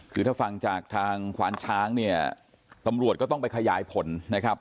คือถ้าฟังจากทางขวานช้างเนี่ยตำรวจก็ต้องไปขยายผลนะครับ